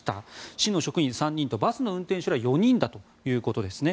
市の職員３人とバスの運転手ら４人だということですね。